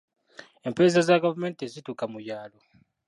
Empeereza za gavumenti tezituuka mu byalo.